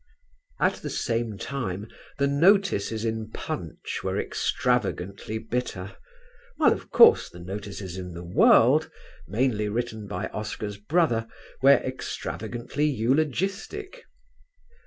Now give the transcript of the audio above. At the same time the notices in Punch were extravagantly bitter, while of course the notices in The World, mainly written by Oscar's brother, were extravagantly eulogistic.